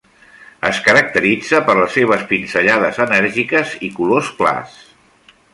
Es caracteritza per les seves pinzellades enèrgiques i colors clars.